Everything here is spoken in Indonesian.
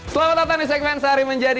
selamat datang di segmen sehari menjadi